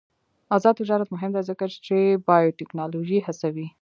آزاد تجارت مهم دی ځکه چې بایوټیکنالوژي هڅوي.